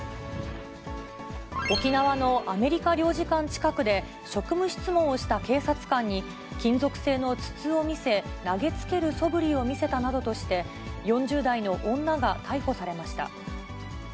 沖縄のアメリカ領事館近くで、職務質問をした警察官に金属製の筒を見せ、投げつけるそぶりを見せたなどとして、４０代の女が逮捕されました。